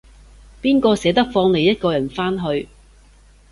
邊個捨得放你一個人返去